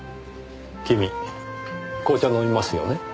君紅茶飲みますよね？